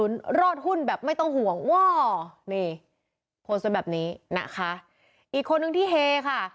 โพสต์แบบนี้อีกคนหนึ่งที่เฮค่ะ